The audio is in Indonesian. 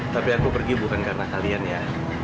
tapi aku pergi bukan karena kalian ya